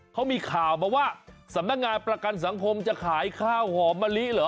เขามีข่าวมาว่าสำนักงานประกันสังคมจะขายข้าวหอมมะลิเหรอ